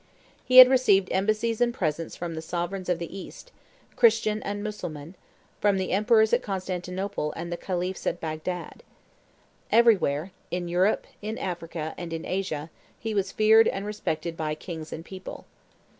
He had received embassies and presents from the sovereigns of the East, Christian and Mussulman, from the emperors at Constantinople and the khalifs at Bagdad. Everywhere, in Europe, in Africa, and in Asia, he was feared and respected by kings and people.